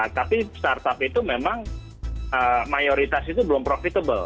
tapi start up itu memang mayoritas itu belum profitable